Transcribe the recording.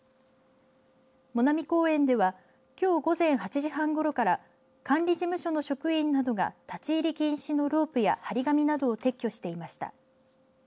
藻南公園ではきょう午前８時半ごろから管理事務所の職員などが立ち入り禁止のロープや張り紙などを撤去していました。